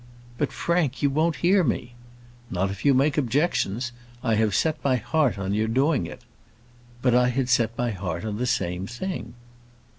"But, Frank, you won't hear me." "Not if you make objections; I have set my heart on your doing it." "But I had set my heart on the same thing."